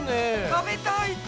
食べたい！